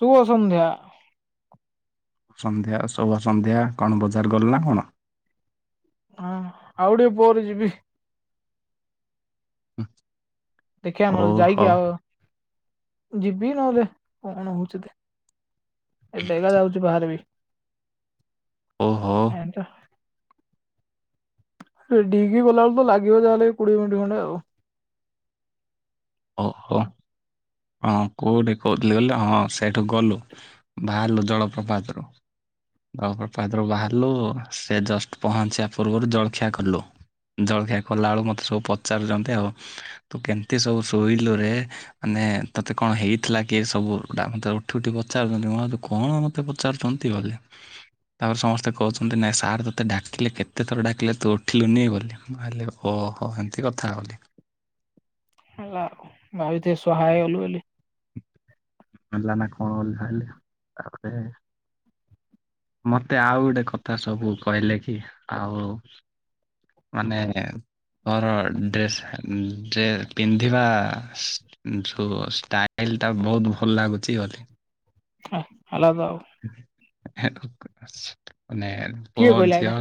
ଶୁଭସନ୍ଧ୍ୟା। ସନ୍ଧ୍ୟା ଶୁଭସନ୍ଧ୍ୟା କଣ ବଜାର ଗଲ ନା କଣ? ହଁ ଆଉ ଟିକେ ପଅରେ ଯିବି। ଦେଖିବା ନହେଲେ ଯାଇକି ଓହୋ ଆଉ ଯିବି ନହେଲେ କଣ ହଉଛି ଦେ ଏ ବେଗା ଯାଉଛି ବାହାରେ ବି ଓହୋ ହେତା ରେଡି ହେଇକି ଗଲାବେଳେ ତ ଲାଗିବ ଯାହାେଲେ ଲାଗିବ କୋଡିଏ ମିନିଟ ଖଣ୍ଡେ ଆଉ। ଓହୋ। ହଁ କୋଉଠି କହୁଥିଲି ହଁ ସେଇଠୁ ଗଲୁ ବାହାରିଲୁ ଜଳପ୍ରପାତରୁୁ [unintelligible] ବାହାରିଲୁ ସେ ଜଷ୍ଟ ପହଞ୍ଚିବା ପୂର୍ବରୁ ଜଳଖିଆ କଲୁ। ଜଳଖିଆ କଲା ବେଳୁ ମତେ ସବୁ ପଚାରୁଛନ୍ତି ଆଉ ତୁ କେମିତି ସବୁ ଶୋଇଲୁରେ? ମାନେ ତତେ କଣ ହେଇଥିଲା କିଏ ସବୁଟା ମତେ ଉଠି ଉଠି ପଚାରୁଛନ୍ତି ମାନେ କଣ ମୋତେ ପଚାରୁଛନ୍ତି [unintelligible] ତାପରେ ସମସ୍ତେ କହୁଛନ୍ତି ନାଇଁ ସାର୍ ତୋତେ ଡାକିଲେ କେତେ ଥର ଡାକିଲେ ତୁ ଉଠିଲୁନି ବୋଲି ମୁଁ ଭାବିଲି ଓ ହୋ ଏମିତି କଥା ବୋଲି ହେଲା [unintelligible] ସହାୟ ହେଲୁ ବୋଲି ମଲ ନା କଣ ତାପରେ ମତେ ଆଉ ଗୋଟେ କଥା ସବୁ କହିଲେ କି ଆଉ ମାନେ ମୋର ଡ୍ରେସ୍ ଡେ ପିନ୍ଧିବା ଯୋ ଷ୍ଟାଇଲ ଟା ବହୁତ ଭଲ ଲାଗୁଛି ଗଲେ ହ ଆଲାଦା ଆଉ [unintelligible] ମାନେ କିଏ ପୁଅ କହିଲା ଏଇଟା ଝିଅ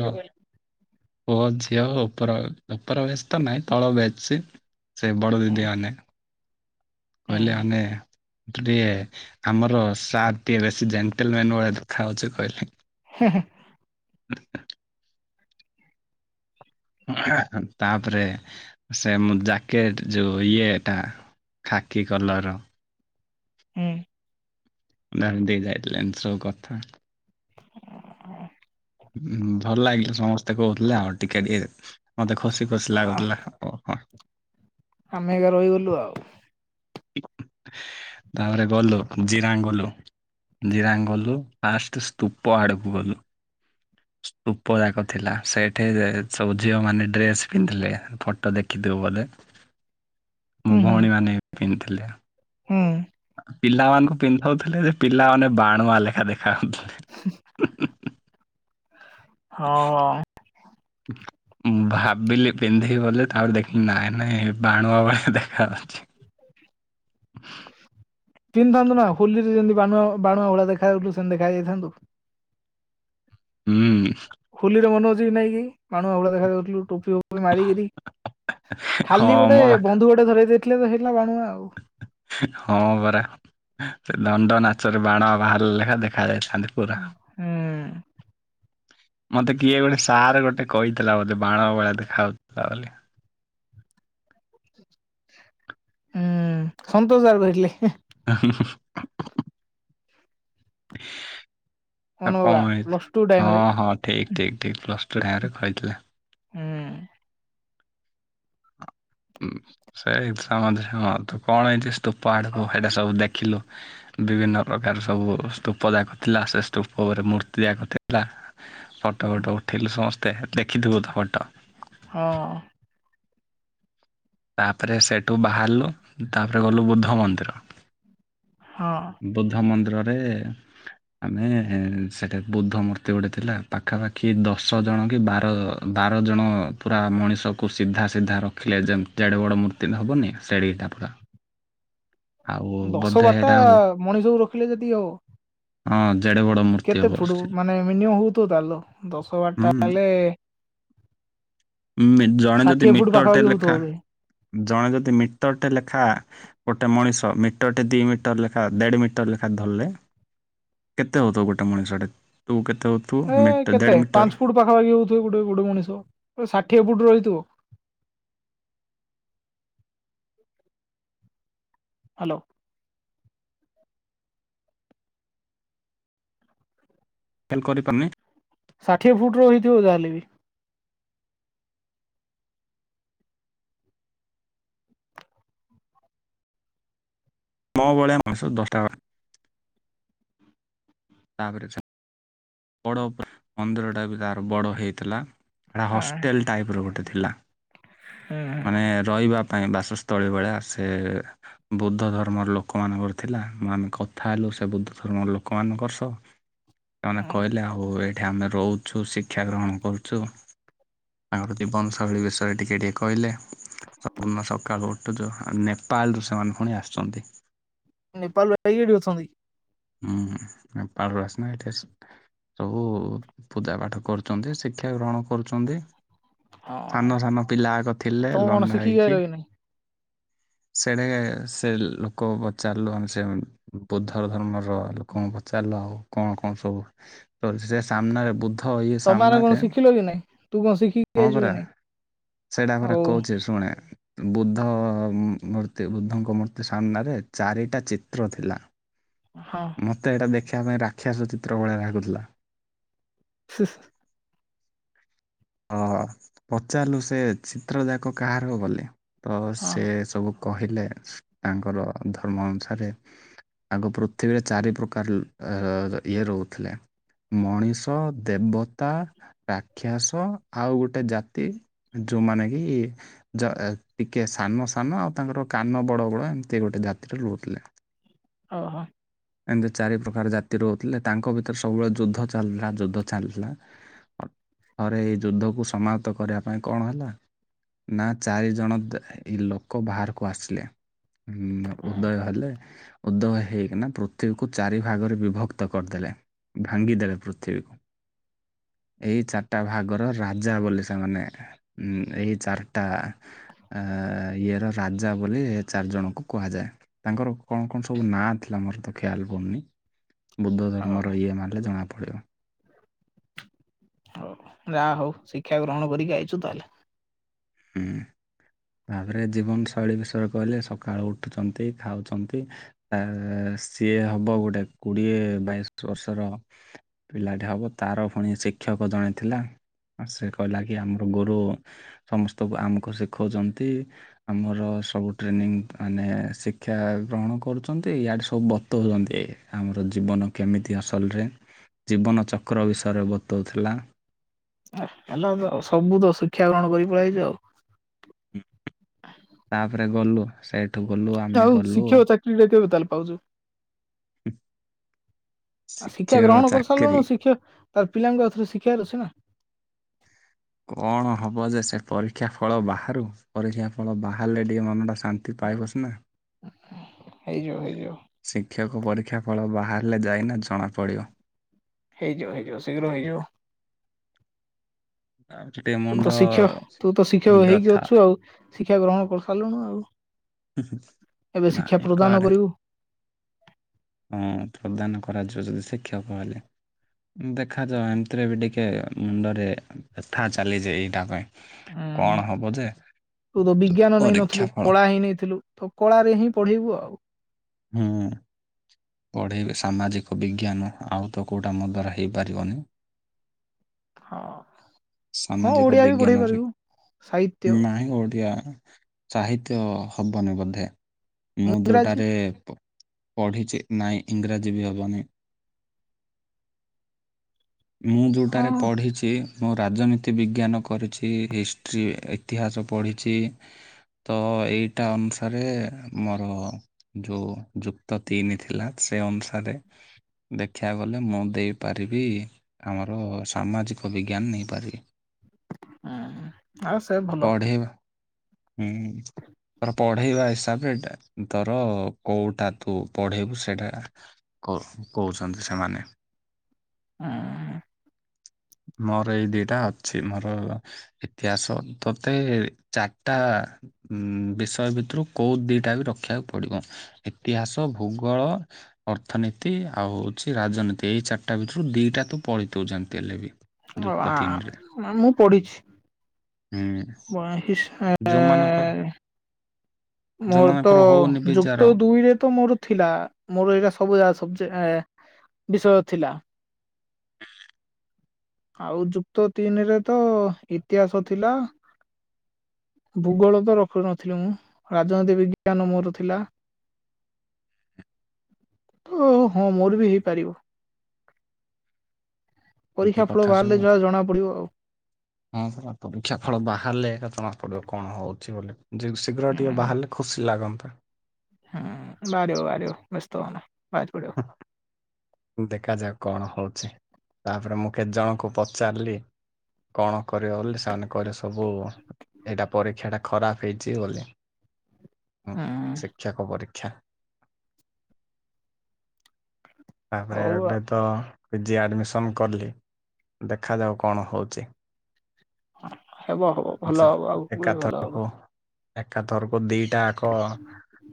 ପୁଅ ଝିଅ ଉପର ଉପରବେସ ତ ନାହିଁ ତଳ ବେଚ ସେ ବଡ଼ଦିଦି ମାନେ। ହୁଁ କହିଲେ ଆମେ। ତୁ ଟିକେ ଆମର ସାର୍ ଟିକେ ବେଶୀ ଜେଣ୍ଟଲ ମେନ୍ ଭଳିଆ ଦେଖା ହଉଛୁ କହିଲେ। ହୁଁ ହୁଁ। [unintelligible] [unintelligible] ତାପରେ ସେ ମୁ ଜ୍ୟାକେଟ ଯୋଉ ଇଏ ଏଟା। ଖାକି କଲର ର। ହୁଁ। କହିଲେ ଆଣି ଦେଇ ଯାଇ ଥିଲେ ଏମତି ସବୁ କଥା। [inaudible] ହୁଁ ଭଲ ଲାଗିଲା ସମସ୍ତେ କହୁଥିଲେ ଆଉ ଟିକେ ଟିକେ ମତେ ଖୁସି ଖୁସି ଲାଗୁଥିଲା। ଓ ହୋ। ଆମେ ଏକା ରହିଗଲୁ ଆଉ। ତାପରେ ଗଲୁ ଜିରାଙ୍ଗ ଗଲୁ। ଜୀରାଙ୍ଗ ଗଲୁ ଫାଷ୍ଟ ସ୍ତୁପ ଆଡ଼କୁ ଗଲୁ। ସ୍ତୁପ ଯାକ ଥିଲା ସେଇଠେ ସବୁ ଝିଅମାନେ ଡ୍ରେସ୍ ପିନ୍ଧି ଥିଲେ ଫଟୋ ଦେଖିଥିବୁ ବଲେ। ହୁଁ ମୋ ହୁଁ ଭଉଣୀ ମାନେ ପିନ୍ଧିଥିଲେ। ହୁଁ। ପିଲାମାନଙ୍କୁ ପିନ୍ଧଉଥିଲେ ଯେ ପିଲାମାନେ ବାଣୁଆ ଲେଖା ଦେଖା ଯାଉଥିଲେ। [unintelligible] ହଁ। [inaudible] ମୁଁ ଭାବିଲି ପିନ୍ଧିବି ବୋଲି ତାପରେ ଦେଖିଲି ନାଇଁ ନାଇଁ ଏ ବାଣୁଆ ଭଳିଆ ଦେଖା ଯାଉଛି। [unintelligible] ପିନ୍ଧିଥାନ୍ତୁ ନା ହୋଲିରେ ଯେମତି ବାଣୁଆ ବାଣୁଆ ଭଳିଳା ଦେଖା ଯାଉ ଥିଲୁ ସେମତି ଦେଖା ଯାଇଥାନ୍ତୁ। ହୁଁ। ହୋଲିରେ ମନ ଅଛି କି ନାଇଁ କି ବାଣୁଣୁ ଭଳିଆ ଦେଖା ଯାଉଥିଲୁ। ଟୋପି ଫୋପି ମାରିକିରି ଖାଲି ହଁ ଗୋଟେ ମୋ ବା ବନ୍ଧୁକ ଟେ ଧରେଇ ଦେଇଥିଲେ ତ ହେଇଥିଲା ବାଣୁଆ ଆଉ। ହଁ ପରା ସେ ଦଣ୍ଡ ନାଚରେ ବାଣୁଆ ବାହାରିଲେ ଲେଖା ଦେଖା ଯାଇଥ୍ ଥାନ୍ତି ପୁରା। ହୁଁ ହୁଁ ମତେ କିଏ ଗୋଟେ ସାର୍ ଗୋଟେ କହିଥିଲା ବୋଧେ ବାଣୁଆ ଭଳି ଦେଖାଉଥିଲା ବୋଲି। ଉଁ ସନ୍ତୋଷ ସାର କହିିଥିଲେ। [unintelligible] ଆଉ କଣ ମନୋବା ହେଇ ପ୍ଲସ ଟୁ ଟାଇମ ରେ। ହଁ ହଁ ଠିକ୍। ଠିକ୍ ଠିକ୍ ପ୍ଲସ ଟୁ ରା ରେ କହିଥିଲେ ‌। ହୁଁ। ହଁ ଉଁ ସେଇ [inaudible] ତୁ କଣ ହେଇଛି। ତ ପାହାଡ଼ କୁ ସେଇଟା ସବୁ ଦେଖିଲୁ। ବିଭିନ୍ନ ପ୍ରକାର ସବୁ ସ୍ତୂପ ଯାକ ଥିଲା ସେ ସ୍ତୂପ ଉପରେ ମୂର୍ତ୍ତି ଯାକ ଥିଲା। ଫଟୋ ଫଟୋ ଉଠେଇଲୁ ସମସ୍ତେ ଦେଖିଥିବୁ ତ ଫଟୋ। ହଁ। ତାପରେ ସେଇଠୁ ବାହାରିଲୁ ତାପରେ ଗଲୁ ବୁଦ୍ଧ ମନ୍ଦିର। ହଁ। ବୁଦ୍ଧ ମନ୍ଦିରରେ। ଆମେ ସେଠା ବୁଦ୍ଧ ମୂର୍ତ୍ତି ଗୋଟେ ଥିଲା ପାଖାପାଖି ଦଶ ଜଣ କି ବାର ବାର ଜଣ ପୁରା ମଣିଷକୁ ସିଧା ସିଧା ରଖିଲେ ଯେ ଜଡ଼େ ବଡ଼ ମୂର୍ତ୍ତି ହେବନି ସେଡିକିଟା ପୁରା। ଆଉ ଦଶ ବୋଧେ ବାରଟା ଏଇଟା ହଉ ମଣିଷକୁୁ ରଖିଲେ ଯେତିକି ହେବ। ହଁ ଜେଡେ ବଡ ମୁ କେତେ ଫୁଟ ମାନେ ମିନିମ ହଉଥିବ ତାହେଲେ ଦଶ ବାରଟା ହେଲେ। ହୁଁ ଜଣେ ଯଦି ଷାଠିଏ ଫୁଟ ମିଟରଟେ ପାଖାପାଖି ହଉଥିବ ଲେଖା ବୋଧେ। ଜଣେ ଯଦି ମିଟରଟେ ଲେଖା ଗୋଟେ ମଣିଷ ମିଟରଟେ ଦିଇ ମିଟର ଲେଖା ଦେଢ଼ ମିଟର ଲେଖା ଧରଲେ କେତେ ହେଉଥ ଗୋଟେ ମଣିଷଟେ ତୁ କେତେ ହଉ ଏ କେତେ ପାଞ୍ଚ ଫୁଟ ପାଖାପଖି ହଉଥିବେ ଗୋଟେ ଗୋଟେ ମଣିଷ ଷାଠିଏ ଫୁଟ ରହିଥିବ। ହ୍ୟାଲୋ। ହେଲ୍ କରିପାରୁନି। ଷାଠିଏ ଫୁଟ ର ହେଇଥିବ ଯାହାହେଲେ ବି। ମ ବଳିଆ ଭଂସୁ ଦଶଟା। ତାପରେ ବଡ଼ ମନ୍ଦିରଟା ବି ତାର ବଡ ହେଇଥିଲା। ହେଟା ହଷ୍ଟେଲ ଟାଇପର ଗୋଟେ ଥିଲା ମାନେ ରହିବା ପାଇଁ ବାସସ୍ଥ ତଳେ ବଳିଆ ଆସେ ବୁଦ୍ଧ ଧର୍ମର ଲୋକମାନଙ୍କର ଥିଲା ମୁ ଆମେ କଥା ହେଲୁ ସେ ବୁଦ୍ଧ ଧର୍ମର ଲୋକମାନଙ୍କର ତ ସେମାନେ କହିଲେ ଆଉ ଏଇଠି ଆମେ ରହୁଛୁ ଶିକ୍ଷା ଗ୍ରହଣ କରୁଛୁ। ତାଙ୍କର ଜୀବନଶୈଳୀ ବିଷୟରେ ଟିକେ ଟିକେ କହିଲେ। ସ ସକାଳୁ ଉଠୁଛୁ ନେପାଳରୁ ସେମାନେ ପୁଣି ଆସୁଛନ୍ତି। ନେପାଳ ରୁ ଆଇ ଏଠି ଅଛନ୍ତି। ହୁଁ ନେପାଳ ରୁ ଆସିନି ଏଠି ଆସି ସବୁ ପୂଜା ପାଠ କରୁଛନ୍ତି ଶିକ୍ଷା ଗ୍ରହଣ କରୁଛନ୍ତି। ହଁ ସାନ ସାନ ପିଲାକ ଥିଲେ ତମେ କଣ ଲଣ୍ଡା ଶିଖିକି ଆଇଲ ହେଇକି। କି ନାଇଁ? ସେଟା ସେ ଲୋକ ପଚାରିଲୁ ଆମେ ସେ ବୁଦ୍ଧର ଧର୍ମର ଲୋକଙ୍କୁ ପଚାରିଲୁ ଆଉ କଣ କଣ ସବୁ ତ ସେ ସାମ୍ନାରେ ବୁଦ୍ଧ ଇଏ ତମ ମାନେ ସାମ୍ନାରେ କଣ ଶିଖିଲ କି ନାଇଁ ତୁ କଣ ଶିଖି ହଁ ପରା ସେଇଟା ପରା କହୁଛି ଶୁଣେ। ବୁଦ୍ଧ ମୂର୍ତ୍ତି ବୁଦ୍ଧଙ୍କ ମୂର୍ତ୍ତି ସାମ୍ନାରେ ଚାରିଟା ଚିତ୍ର ଥିଲା। ହଁ ମୋତେ ଏଇଟା ଦେଖିବା ପାଇଁଁ ରାକ୍ଷସ ଚିତ୍ର ଭଳିଆ ଲାଗୁଥିଲା ‌। [unintelligible] ହ ପଚାରିଲୁ ସେ ଚିତ୍ର ଯାକ କାହାର ବୋଲି ତ ହଁ ସେ ସବୁ କହିଲେ ତାଙ୍କର ଧର୍ମ ଅନୁସାରେ ଆଗ ପୃଥିବୀରେ ଚାରି ପ୍ରକାର ଇଏ ରହୁଥିଲେ। ମଣିଷ, ଦେବତା, ରାକ୍ଷାସ ତ ଆଉ ଗୋଟେ ଜାତି ଯେଉଁମାନେ କି ଯ ଟିକେ ସାନ ସାନ ଆଉ ତାଙ୍କର କାନ ବଡ଼ ବଡ଼ ଏମିତି ଗୋଟେ ଜାତିରେ ରହୁଥିଲେ। ଓହୋ ଏମିତି ଚାରି ପ୍ରକାର ଜାତି ରହୁଥିଲେ ତାଙ୍କ ଭିତରେ ସବୁବେଳେ ଯୁଦ୍ଧ ଚାଲିଥିଲା ଯୁଦ୍ଧ ଚାଲିଥିଲା। ଥରେ ଏଇ ଯୁଦ୍ଧକୁ ସମାପ୍ତ କରିବା ପାଇଁ କଣ ହେଲା ନା ଚାରିଜଣ ଦ ଲୋକ ବାହାରକୁ ଆସିଲେ। ହୁଁ ଉଦୟ ହେଲେ ଉଦୟ ହେଇକିନା ପୃ ପୃଥିବୀକୁ ଚାରି ଭାଗରେ ବିଭକ୍ତ କରିଦେଲେ ଭାଙ୍ଗିଦେଲେ ପୃଥିବୀକୁ। ଏଇ ଚାରିଟା ଭାଗର ରାଜା ବୋଲି ସେମାନେ ହୁଁ ଏଇ ଚାରିଟା ଆ ଇଏର ରାଜା ବୋଲି ଚାରିଜଣଙ୍କୁ କୁହାଯାଏ। ତାଙ୍କର କଣ କଣ ସବୁ ନାଁ ଥିଲା ମୋର ତ କ୍ଷାଲ ପଡୁନି ବୁଦ୍ଧ ହଉ ଧର୍ମର ଇଏ ମାରିଲେ ଜଣାପଡ଼ିବ। ହଉ ଯାହା ହଉ ଶିକ୍ଷା ଗ୍ରହଣ କରିକି ଆଇଛୁ ତାହେଲେ। ହୁଁ। ତାପରେ ଜୀବନଶୈଳୀ ବିଷୟରେ କହିଲେ ସକାଳୁ ଉଠୁଛନ୍ତି, ଖାଉଛନ୍ତି। ତା ସିଏ ହବ ଗୋଟେ କୁଡିଏ ବାଇଶ ବର୍ଷର ପିଲାଟେ ହବ ତାର ଫୁଣି ଶିକ୍ଷକ ଜଣେ ଥିଲା। ଆସେ କହିଲା କି ଆମର ଗୁରୁ ସମସ୍ତଙ୍କୁ ଆମକୁ ଶିଖଉଛନ୍ତି। ଆମର ସବୁ ଟ୍ରେନିଂ ମାନେ ଶିକ୍ଷା ଗ୍ରହଣ କରୁଛନ୍ତି ୟାଆଡ଼େ ସବୁ ବତଉ‌ଛନ୍ତି। ଆମର ଜୀବନ କେମିତି ଅସଲରେ ଜୀବନଚକ୍ର ବିଷୟରେ ବତଉଥିଲା। ହେଲା ତ ସବୁ ତ ଶିକ୍ଷା ଗ୍ରହଣ କରି ପଳେଇ ଆଇଚ। ତାପରେ ଗଲୁ ସେ ଆଉ ଶିକ୍ଷକ ଚାକିରି ଟା କେବେ ତାହେଲେ ପାଉଛୁ। ଆ ଶିକ୍ଷା ଶିକ୍ଷକ ଗ୍ରହଣ କରି ଚାକିରି ସାରିଲୁଣୁ ଶିକ୍ଷା ତାର ପିଲାଙ୍କୁ ଏଥରେ ଶିଖିବାର ଅଛି ନା। କଣ ହବ ଯେ ସେ ପରୀକ୍ଷା ଫଳ ବାହାରୁ ପରୀକ୍ଷା ଫଳ ବାହାରିଲେ ଟିକେ ମନଟା ଶାନ୍ତି ପାଇବ ସନା। ହେଇଯାଉ ହେଇଯିବ। ଶିକ୍ଷକ ପରୀକ୍ଷା ଫଳ ବାହାରିଲେ ଯାଇନା ଜଣାପଡ଼ିବ। ହେଇଯବ ହେଇଯବ ଶୀଘ୍ର ହେଇଯିବ। ଆ ଚ [inaudible] ତୁ ତ ଶିକ୍ଷ ତୁ ତ ଶିକ୍ଷକ ହେଇକି ଅଛୁ ଆଉ ଶିକ୍ଷା ଗ୍ରହଣ କରି ସାରିଲୁଣୁ ଆଉ। ଏବେ ଶିକ୍ଷା ନାଇଁ ପ୍ରଦାନ କରେ। କରିବୁ ହଁ ପ୍ରଦାନ କରାଯିବ ଯଦି ଶିକ୍ଷକ ହେଲେ। ଦେଖାଯାଉ ଏମିତିରେ ବି ଟିକେ ମୁଣ୍ଡରେ ବ୍ୟଥା ଚାଲିଯି ଏଇଟା ପାଇଁ। ହୁଁ କଣ ହବ ଯେ ତୁ ତ ବିଜ୍ଞାନ ପରୀକ୍ଷା ନେଇନଥିଲୁ ଫଳ କଳା ହଁ ନେଇଥିଲୁ। ତ କଳାରେ ହିଁ ପଢେଇିବୁ ଆଉ। ହୁଁ। ପଢ଼େଇବେ ସାମାଜିକ ବିଜ୍ଞାନ ଆଉ ତ କୋଉଟା ମୋ ଦ୍ଵାରା ହେଇପାରିବନି। ହଁ। ହଁ ସାମାଜିକ ଓଡିଆ ବି ପଢେଇ ବିଜ୍ଞାନରେ ପାରିବୁ ସାହିତ୍ୟ ନାହିଁ ଓଡିଆ। ସାହିତ୍ୟ ହବନି ବୋଧେ ମୁଁ ଇଂରାଜୀ ଯେଉଟାରେ ପ ପଢ଼ିଚେ। ନାଇଁ ଇଂରାଜୀ ବି ହବନି। ମୁଁ ହଁ ଯୋଉଟାରେ ପଢ଼ିଛି। ମୁଁ ରାଜନୀତି ବିଜ୍ଞାନ କରିଛି ହିଷ୍ଟ୍ରି ଇତିହାସ ପଢ଼ିଛି। ତ ଏଇଟା ଅନୁସାରେ ମୋର। ଯୋଉ ଯୁକ୍ତ ତିନି ଥିଲା ସେ ଅନୁସାରେ। ଦେଖିବା ଗଲେ ମୁଁ ଦେଇପାରିବି ଆମର ସାମାଜିକ ବିଜ୍ଞାନ ନେଇପାରିବି। ହୁଁ ଆଉ ସେ ଭଲ। ପଢେଇବା ହୁଁ ରପୋ [inaudible] ପଢେଇବା ହିସାବରେ ଏଇଟା ତୋର କୋଉଟା ତୁ ପଢେଇବୁ ସେଇଟା କଉ କହୁଛନ୍ତି ସେମାନେ। ହୁଁ। ମୋର ଏଇ ଦିଟା ଅଛି! ମୋର ଇତିହାସ ତତେ ଚାରଟା ଉଁ ବିଷୟ ଭିତରୁ କୋଉ ଦିଟା ବି ରଖିବାକୁ ପଡିବ, ଇତିହାସ ଭୂଗୋଳ! ଅର୍ଥନୀତି ଆଉ ଉଛି ରାଜନୀତି ଏଇ ଚାରିଟା ଭିତରୁ ଦିଟାତ ପଳିଥେଉ ଯେମିତି ହେଲେବି! ଆଉ ଆ ମୁଁ ପଢିଚି! ଉଁ ଯୋଉମାନଙ୍କର ମୋରତ ଯୋଉମାନଙ୍କର ହଉନି ବିଜାର ଯୁକ୍ତ ଦୁଇରେତ ମୋର ଥିଲା! ମୋର ଏରା ସବୁ ସଚି ଏଁ ବିଷୟ ଥିଲା! ଆଉ ଯୁକ୍ତ ତିନିରେତ ଇତିହାସ ଥିଲା! ଭୂଗୋଳତ ରଖୁ ନଥିଲି ମୁଁ! ରାଜନୀତି ବିଜ୍ଞାନ ମୋର ଥିଲା! ଓ ହଁ ମୋର ବି ହେଇପାରିବ! ଏମିତି ପରୀକ୍ଷା ଫଳ କଥା ବାହାରିଲେ ସବୁ ଯାହା ଜଣା ପଡିବ ଆଉ! ହଁ ପରା ପରୀକ୍ଷା ଫଳ ବାହାରିଲେ ଜଣା ପଡିବ କଣ ହଉଚି ବୋଲି! ଯେଉ ଶୀଘ୍ର ଟିକେ ହୁଁ ବାହାରିଲେ ଖୁସି ଲାଗନ୍ତା! ହୁଁ ବାହାରିବ ବାହାରିବ ବ୍ୟସ୍ତ ହୁଅନା ବାହାରି ପଡିବ! ହୁଁ। ହୁଁ ଦେଖାଯାଉ କଣ ହଉଚି, ତାପରେ ମୁଁ କେତେ ଜଣଙ୍କୁ ପ ଚାରଲି କଣ କରିବ ବୋଲି ସେମାନେ କହିବେ ସବୁ ଏଇଟା ପରୀକ୍ଷା ଟା ଖରାପ ହେଇଚି ବୋଲେ ଉଁ ଶିକ୍ଷକ ପରୀକ୍ଷା! ତାପରେ ହଉ ଆ ଏବେତ ପିଜି ଆଡ଼ିମିସନ କଲି, ଦେଖାଯାଉ କଣ ହଉଚି! ହେବ ହବ ଭଲ ଯେ- ହବ ଆଗକୁ ବି ଭଲ ଏକାଥରକୁ ହବ! ଏକାଥରକୁ ଦିଟାଆକ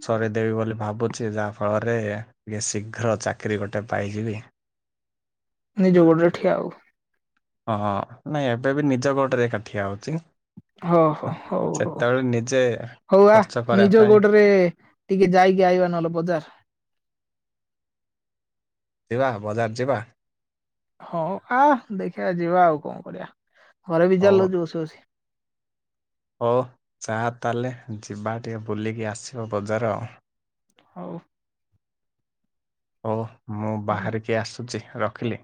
ସରେଇ ଦେବି ବୋଲି ଭାବୁଚି! ଯାହା ଫଳରେ ଏ ଶୀଘ୍ର ଚାକିରି ଗୋଟେ ପାଇଯିବି! ନିଜ ଗୋଡରେ ଠିଆଉ! ହଁଅ ନାଇଁ ଏବେବି ନିଜ ଗୋଡରେ ଏକାଠିଆ ହଉଚି! ହ ହୋ ହଉ ହଉ ନିଜେ ହଉ ଆ ଖର୍ଚ୍ଚ କରିବା ନିଜ ପାଇଁ ଗୋଡରେ ଟିକେ ଯାଇକି ଆଇବା ନହଲେ ବଜାର! ଯିବା ବଜାର ଯିବା! ହଁ ଆ ଦେଖିବା ଯିବା ଆଉ କଣ କରିବା, ଘରେ ବି ହଉ ଜାଲ ଜୋସ ଅଛି! ହଉ ଚା ତାହେଲେ ଯିବା ଟିକେ ବୁଲିକି ଆସିବ ବଜାର ଆଉ! ହଉ! ଓ ମୁଁ ବାହାରିକି ଆସୁଚି ରଖିଲି!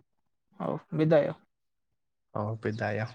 ହଉ ବିଦାୟ! ହଉ ବିଧାୟ!